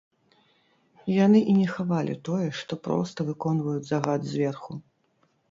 Яны і не хавалі тое, што проста выконваюць загад зверху.